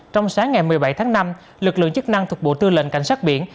trong sáng ngày một mươi bảy tháng năm lực lượng chức năng thuộc bộ tư lệnh cảnh sát biển